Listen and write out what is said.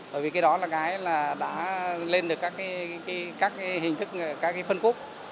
bởi vì cái đó đã lên được các hình thức các phân phúc